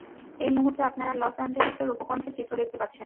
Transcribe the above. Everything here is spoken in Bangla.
এই মুহূর্তে আপনারা লস অ্যাঞ্জেলসের উপকন্ঠের চিত্র দেখতে পাচ্ছেন।